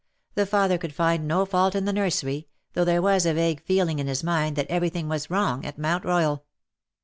The father could find no fault in the nursery, though there was a vague feeling in his mind that every thing was wrong at Mount Royal.